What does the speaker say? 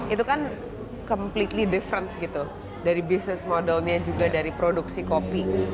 itu kan completely different dari business modelnya dari produksi kopi